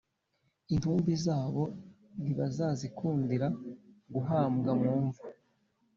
Intumbi zabo ntibazazikundira guhambwa mu mva